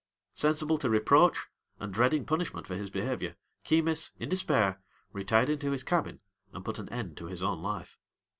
Sensible to reproach, and dreading punishment for his behavior, Keymis, in despair, retired into his cabin, and put an end to his own life.